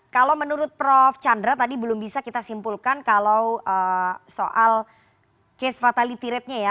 kalau menurut prof chandra tadi belum bisa kita simpulkan kalau soal case fatality ratenya ya